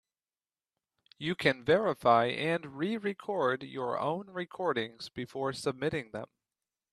You can verify and re-record your own recordings before submitting them.